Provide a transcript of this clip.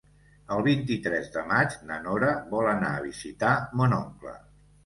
El vint-i-tres de maig na Nora vol anar a visitar mon oncle.